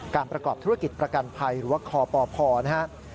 ประกอบธุรกิจประกันภัยหรือว่าคปพนะครับ